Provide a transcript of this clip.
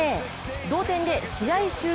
同点で試合終了